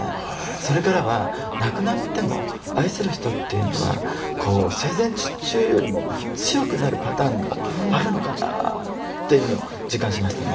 それからは亡くなっても愛する人っていうのはこう生前中よりも強くなるパターンもあるのかなっていうのを実感しましたね。